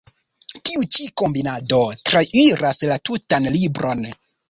Tiu ĉi „kombinado“ trairas la tutan libron.